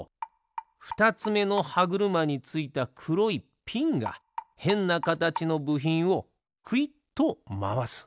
ふたつめのはぐるまについたくろいピンがへんなかたちのぶひんをくいっとまわす。